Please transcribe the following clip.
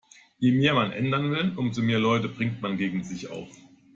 Je mehr man ändern will, umso mehr Leute bringt man gegen sich auf.